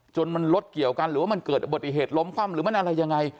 จนมันรถเกี่ยวกันหรือว่ามันเกิดอุบัติเหตุล้มคว่ำหรือมันอะไรยังไง